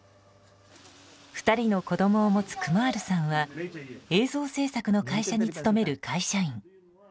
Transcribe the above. ２人の子供を持つクマールさんは映像制作の会社に勤める会社員。